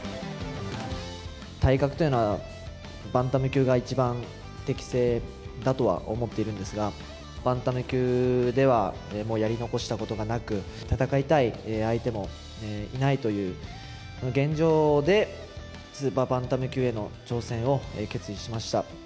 体格というのは、バンタム級が一番適正だとは思ってはいるんですが、バンタム級ではもうやり残したことがなく、戦いたい相手もいないという現状で、スーパーバンタム級への挑戦を決意しました。